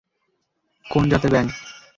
কোন জাতের ব্যাঙ?